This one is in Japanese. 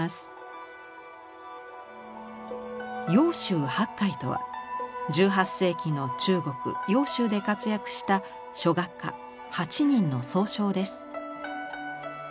揚州八怪とは１８世紀の中国・揚州で活躍した書画家８人の総称です。